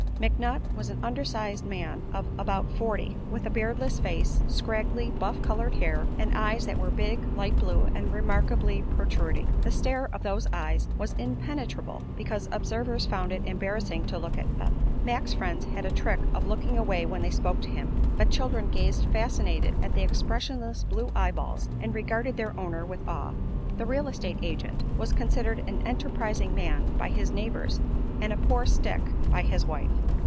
McNutt was an undersized man of about forty, with a beardless face, scraggly buff colored hair, and eyes that were big, light blue and remarkably protruding. The stare of those eyes was impenetrable, because observers found it embarrassing to look at them. "Mac's" friends had a trick of looking away when they spoke to him, but children gazed fascinated at the expressionless blue eyeballs and regarded their owner with awe. The "real estate agent" was considered an enterprising man by his neighbors and a "poor stick" by his wife.